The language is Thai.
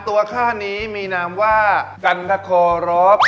ตัวข้างี้มีนามว่ากันทะโครพ